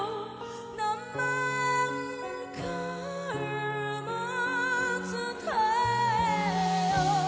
「何万回も伝えよう」